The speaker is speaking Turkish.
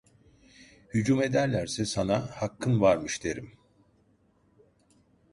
Hücum ederlerse sana hakkın varmış derim…